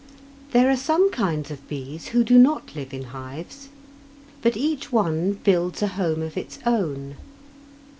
There are some kinds of bees who do not live in hives, but each one builds a home of its own.